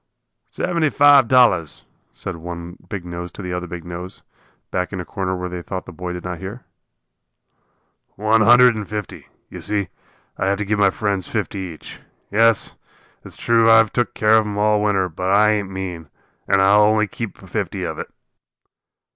"Seventy five dollars," said one big nose to the other big nose, back in a corner where they thought the boy did not hear. "One hundred and fifty. You see, I'll have to give my friends fifty each. Yes, it's true I've took care of 'em all winter, but I ain't mean, and I'll only keep fifty of it."